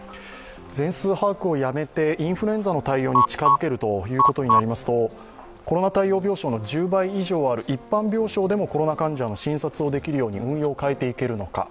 全数把握をやめてインフルエンザの対応に近づけるということになりますとコロナ対応病床の１０倍以上ある一般病床でもコロナ患者の診察をできるように運用を変えていけるのか。